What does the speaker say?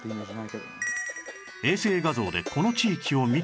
衛星画像でこの地域を見てみると